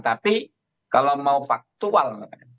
tapi kalau mau faktual